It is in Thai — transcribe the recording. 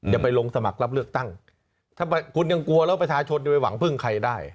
ไปลงสมัครรับเลือกตั้งถ้าคุณยังกลัวแล้วประชาชนจะไปหวังพึ่งใครได้